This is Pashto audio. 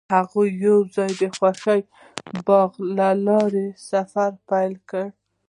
هغوی یوځای د خوښ باغ له لارې سفر پیل کړ.